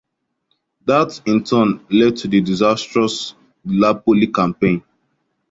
That, in turn, led to the disastrous Gallipoli Campaign.